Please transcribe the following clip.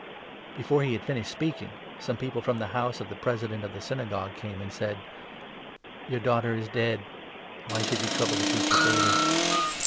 Before he had finished speaking, some people from the 35 house of the President of the Synagogue came and said : "Your daughter is dead! Why should you trouble the Teacher further